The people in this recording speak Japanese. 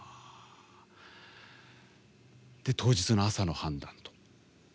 で、当日の朝の判断と。